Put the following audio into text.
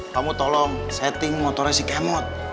kamu tolong setting motornya si kemot